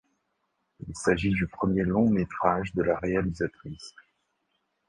Il s'agit du premier long métrage de la réalisatrice.